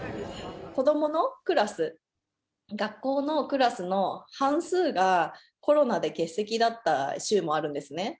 子どものクラス、学校のクラスの半数が、コロナで欠席だった週もあるんですね。